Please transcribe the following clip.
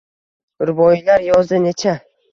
Ruboiylar yozdi necha